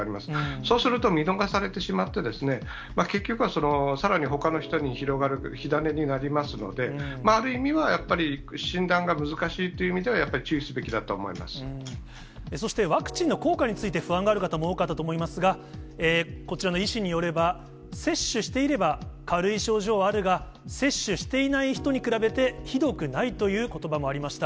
そうすると、見逃されてしまって、結局はさらにほかの人に広がる火種になりますので、ある意味、やっぱり、診断が難しいという意味では、そして、ワクチンの効果について不安がある方も多かったと思いますが、こちらの医師によれば、接種していれば、軽い症状はあるが、接種していない人に比べてひどくないということばもありました。